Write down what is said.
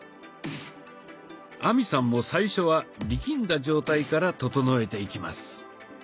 亜美さんも最初は力んだ状態から整えていきます。